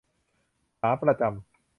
ขาประจำ